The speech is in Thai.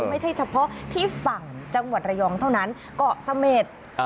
ไม่ใช่เฉพาะที่ฝั่งจังหวัดระยองเท่านั้นเกาะเสม็ด